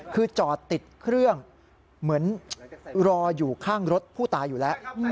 คือจอดติดเครื่องเหมือนรออยู่ข้างรถผู้ตายอยู่แล้ว